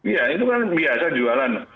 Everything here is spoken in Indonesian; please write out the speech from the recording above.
ya itu kan biasa jualan